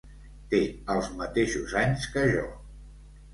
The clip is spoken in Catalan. Té els mateixos anys que jo.